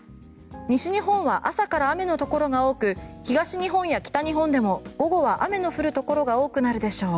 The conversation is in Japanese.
西日本は朝から雨のところが多く東日本や北日本でも午後は雨が降るところが多くなるでしょう。